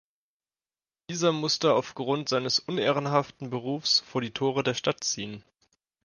Dieser musste auf Grund seines unehrenhaften Berufes vor die Tore der Stadt ziehen.